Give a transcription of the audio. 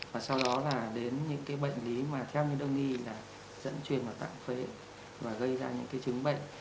và sau đó là đến những cái bệnh lý mà theo như đông y là dẫn truyền vào tạng phế và gây ra những cái chứng bệnh